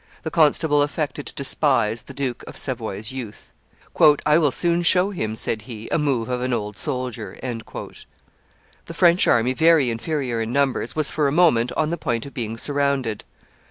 The constable affected to despise the Duke of Savoy's youth. "I will soon show him," said he, "a move of an old soldier." The French army, very inferior in numbers, was for a moment on the point of being surrounded.